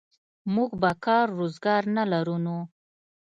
موږ به کار روزګار نه لرو نو.